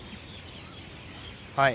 はい。